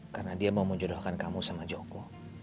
karena dia mau menjodohkan kamu sama joko